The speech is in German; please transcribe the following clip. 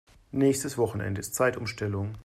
Nächstes Wochenende ist Zeitumstellung.